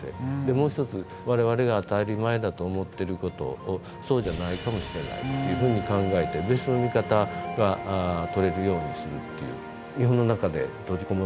もう一つ我々が当たり前だと思ってることをそうじゃないかもしれないっていうふうに考えて別の見方がとれるようにするっていう。